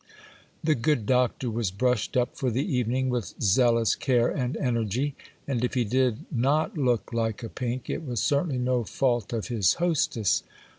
The good Doctor was brushed up for the evening with zealous care and energy; and if he did not look like a pink, it was certainly no fault of his hostess.